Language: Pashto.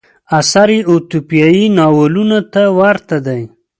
اثر یې اتوپیایي ناولونو ته ورته دی.